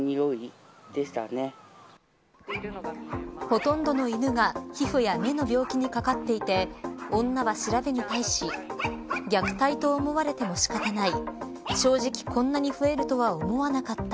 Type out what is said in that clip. ほとんどの犬が皮膚や目の病気にかかっていて女は調べに対し虐待と思われても仕方ない。